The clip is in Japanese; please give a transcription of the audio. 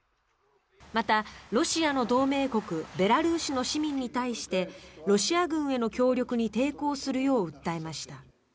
また、ロシアの同盟国ベラルーシの市民に対してロシア軍への協力に抵抗するよう訴えました。